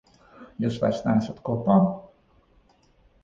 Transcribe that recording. Jūs vairs neesat kopā?